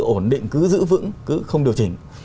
ổn định cứ giữ vững cứ không điều chỉnh